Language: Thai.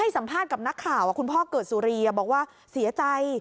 สัมภาษณ์กับนักข่าวคุณพ่อเกิดสุรีบอกว่าเสียใจ